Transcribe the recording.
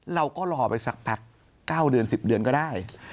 เราก็รอไปสักพัก๙เดือน๑๐เดือนก็ได้